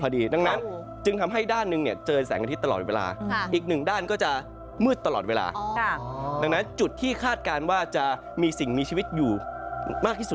ดังนั้นจึงทำให้จุดที่คาดการณ์ว่าจะมีสิ่งมีชีวิตอยู่มากที่สุด